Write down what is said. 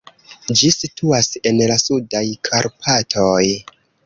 Ĝi situas en la Sudaj Karpatoj.